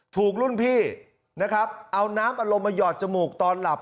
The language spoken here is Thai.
ถูกรุ่นพี่นะครับเอาน้ำอารมณ์มาหยอดจมูกตอนหลับ